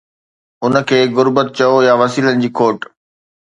ان کي غربت چئو يا وسيلن جي کوٽ.